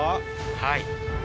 はい。